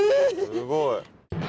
すごい！